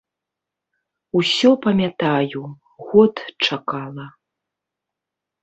Усё памятаю, год чакала.